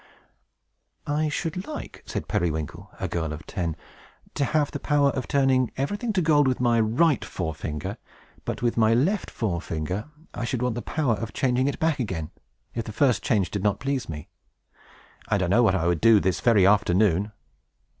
"I should like," said Periwinkle, a girl of ten, "to have the power of turning everything to gold with my right forefinger; but, with my left forefinger, I should want the power of changing it back again, if the first change did not please me. And I know what I would do, this very afternoon!"